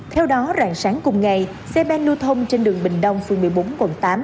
theo đó rạng sáng cùng ngày xe men lưu thông trên đường bình đông phương một mươi bốn quận tám